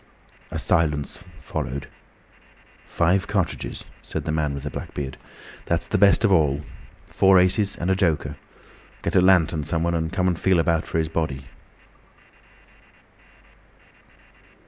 A silence followed. "Five cartridges," said the man with the black beard. "That's the best of all. Four aces and a joker. Get a lantern, someone, and come and feel about for his body."